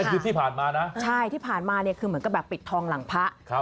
คือที่ผ่านมานะใช่ที่ผ่านมาเนี่ยคือเหมือนกับแบบปิดทองหลังพระ